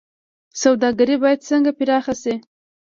سوداګري باید څنګه پراخه شي؟